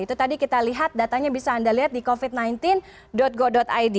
itu tadi kita lihat datanya bisa anda lihat di covid sembilan belas go id